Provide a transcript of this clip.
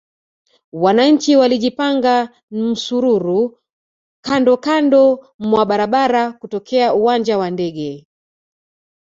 Wananchi walijipanga msururu kandokando mwa barabara kutokea uwanja wa ndege